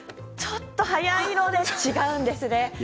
ちょっと早いので違うんですね。